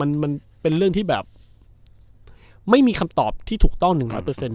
มันมันเป็นเรื่องที่แบบไม่มีคำตอบที่ถูกต้องหนึ่งร้อยเปอร์เซ็น